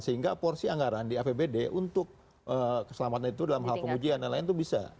sehingga porsi anggaran di apbd untuk keselamatan itu dalam hal pengujian dan lain lain itu bisa